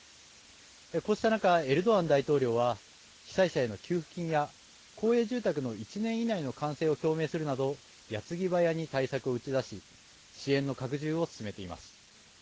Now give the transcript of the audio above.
こうした中、エルドアン大統領は被災者への給付金や公営住宅の１年以内の完成を表明するなど矢継ぎ早に対策を打ち出し支援の拡充を進めています。